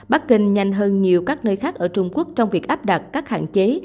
bắc kinh nhanh hơn nhiều các nơi khác ở trung quốc trong việc áp đặt các hạn chế